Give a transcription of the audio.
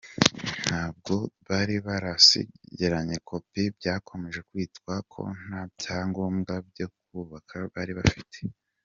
N’ubwo bari barasigaranye copie byakomeje kwitwa ko nta byangombwa byo kubaka bari bafite.